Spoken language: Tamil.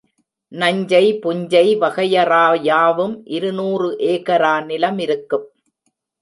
நஞ்சை, புஞ்சை வகையறா யாவும் இருநூறு ஏகரா நிலமிருக்கும்.